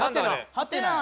ハテナや。